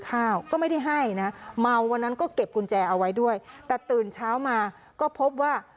ข้าวก็ไม่ได้ให้นะเมาวันนั้นก็เก็บกุญแจเอาไว้ด้วยแต่ตื่นเช้ามาก็พบว่า